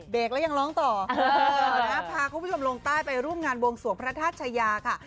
กแล้วยังร้องต่อพาคุณผู้ชมลงใต้ไปร่วมงานวงสวงพระธาตุชายาค่ะ